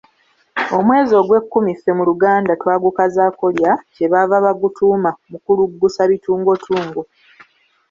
Omwezi ogw’ekkumi ffe mu Luganda twagukazaako lya, Kye baava bagutuuma Mukuluggusabitungotungo.